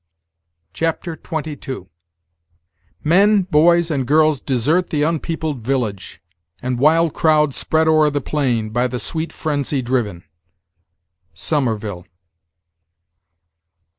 CHAPTER XXII "Men, boys, and girls Desert the unpeopled village; and wild crowds Spread o'er the plain, by the sweet phrensy driven." Somerville.